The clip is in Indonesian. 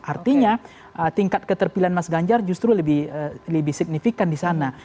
artinya tingkat keterpilihan mas ganjar justru lebih signifikan disana